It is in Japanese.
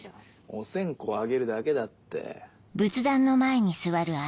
お線香上げるだけだって。